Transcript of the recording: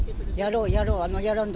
やろう、やろうと。